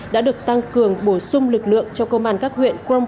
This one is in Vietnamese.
đã được tăng cường bổ sung lực lượng cho công an các huyện